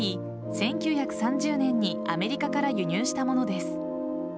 １９３０年にアメリカから輸入したものです。